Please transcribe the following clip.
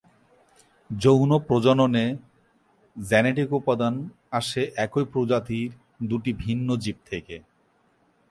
যৌন প্রজননে জেনেটিক উপাদান আসে একই প্রজাতির দুটি ভিন্ন জীব থেকে।